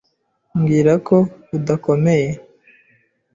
Mbwira ko udakomeye!